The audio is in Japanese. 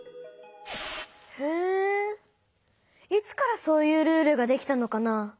へえいつからそういうルールができたのかな？